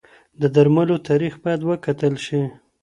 د درملو تاریخ باید وکتل شي.